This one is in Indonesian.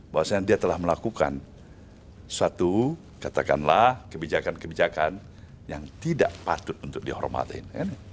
bahwasannya dia telah melakukan suatu katakanlah kebijakan kebijakan yang tidak patut untuk dihormatin